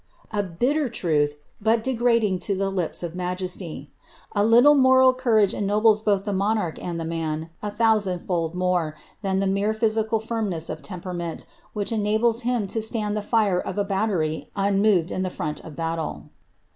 '' A bitter truth, but degrading to the lips of niajesty. A little moral courage ennobles both the mon arch and the man a thousand fold more than the mere physical finnncsi of temperament which enables him to stand the fire of a battery unmored in the front of battle.